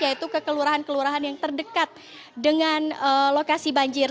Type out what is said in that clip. yaitu ke kelurahan kelurahan yang terdekat dengan lokasi banjir